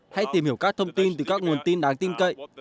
hãy tìm hiểu các thông tin từ các nguồn tin đáng tin cậy